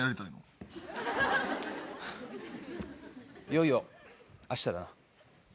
いよいよあしただな。